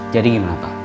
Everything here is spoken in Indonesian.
jadi gimana pak